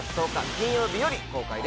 金曜日より公開です。